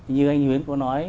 như anh nguyễn có nói